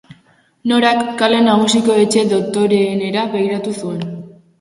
Norak kale nagusiko etxe dotoreenera begiratu zuen.